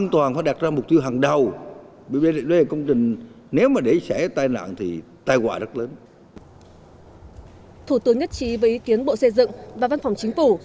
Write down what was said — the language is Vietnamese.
thủ tướng nhất trí với ý kiến bộ xây dựng và văn phòng chính phủ